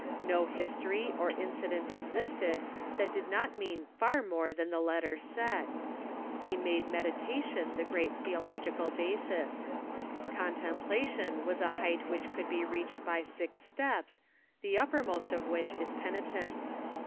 No history or incident existed that did not mean far more than the letter said. He made medita tion the great theological basis. Contemplation was a height which could be reached by six steps, the uppermost of which is penitence.